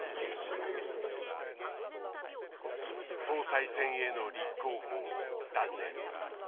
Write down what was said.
総裁選への立候補を断念。